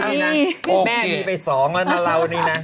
เรานี่นะแม่มีไปสองนะเรานี่นะ